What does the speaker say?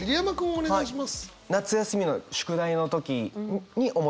お願いします。